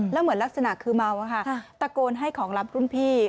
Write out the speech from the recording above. แล้วเหมือนลักษณะคือเมาอะค่ะตะโกนให้ของรับรุ่นพี่